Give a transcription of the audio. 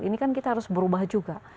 ini kan kita harus berubah juga